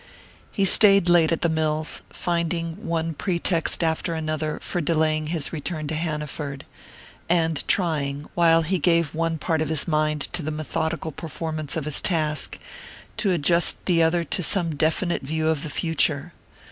He stayed late at the mills, finding one pretext after another for delaying his return to Hanaford, and trying, while he gave one part of his mind to the methodical performance of his task, to adjust the other to some definite view of the future.